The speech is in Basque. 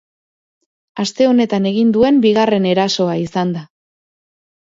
Aste honetan egin duen bigarren erasoa izan da.